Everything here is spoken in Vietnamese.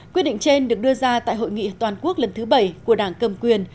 quyết định trên được đưa ra tại hội nghị toàn quốc lần thứ bảy của đảng cầm quyền